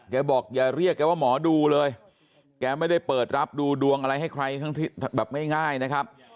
บอกอย่าเรียกแกว่าหมอดูเลยแกไม่ได้เปิดรับดูดวงอะไรให้ใครทั้งแบบง่ายนะครับ